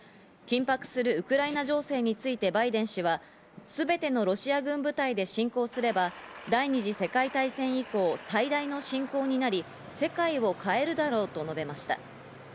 緊迫するウクライナ情勢についてバイデン氏は、すべてのロシア軍部隊で侵攻すれば第２次世界大戦以降、最大の侵攻になり、世界を変えるだろうと述べました。